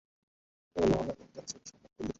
আমরা বললাম, আল্লাহ এবং তাঁর রাসূলই সম্যক অবহিত।